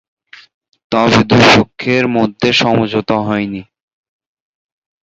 তবে, দুই পক্ষের মধ্যে সমঝোতা হয়নি।